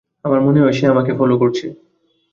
আমার মনে হয় সে আমাকে ফলো করছে।